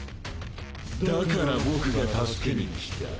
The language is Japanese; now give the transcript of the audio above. だから僕が助けにきた。